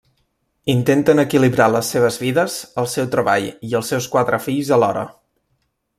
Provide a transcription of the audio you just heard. Intenten equilibrar les seves vides, el seu treball, i els seus quatre fills alhora.